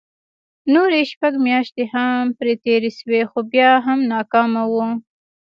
نورې شپږ مياشتې هم پرې تېرې شوې خو بيا هم ناکام وو.